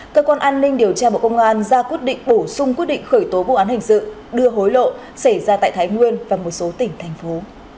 cơ quan an ninh điều tra bộ công an ra quyết định bổ sung quyết định khởi tố vụ án hình sự đưa hối lộ xảy ra tại thái nguyên và một số tỉnh thành phố